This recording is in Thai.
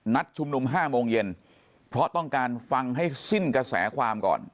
ชุมนุม๕โมงเย็นเพราะต้องการฟังให้สิ้นกระแสความก่อน